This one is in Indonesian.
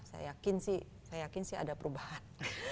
saya yakin sih ada perubahan